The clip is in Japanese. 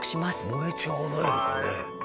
燃えちゃわないのかね？